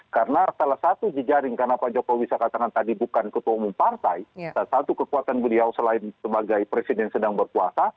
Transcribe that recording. karena salah satu jejaring karena pak jokowi saya katakan tadi bukan ketua umum partai salah satu kekuatan beliau selain sebagai presiden sedang berkuasa